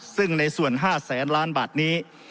ซึ่งในส่วน๕แสนล้านบาทนี้